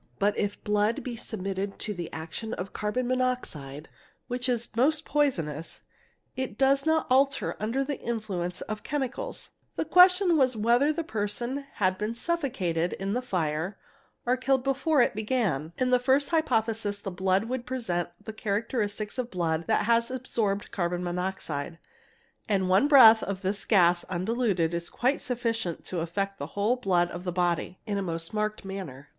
But if blood be submitted to the action of carbon monoxide, which is most poisonous, it does not alter under the influence of chemicals ; the question was whether the person had been suffocated in the fire or killed before it began. In the first hypothesis the blood would present the characteristics of blood that has absorbed carbon monoxide, and one breath of this gas undiluted is quite sufficient to affect the whole blood of the body in a most marked manner.